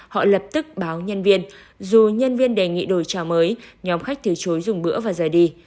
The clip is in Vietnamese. họ lập tức báo nhân viên dù nhân viên đề nghị đổi trà mới nhóm khách từ chối dùng bữa và rời đi